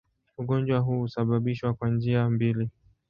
Ugonjwa huu husababishwa kwa njia mbili.